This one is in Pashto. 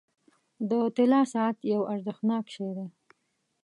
• د طلا ساعت یو ارزښتناک شی دی.